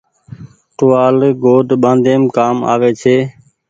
ٽووآل ڳوڏ ٻآڍيم ڪآم آوي ڇي۔